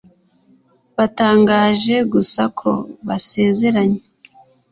batangaje gusa ko basezeranye